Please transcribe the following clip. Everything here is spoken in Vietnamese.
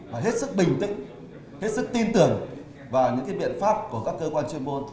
và hết sức bình tĩnh hết sức tin tưởng vào những biện pháp của các cơ quan chuyên môn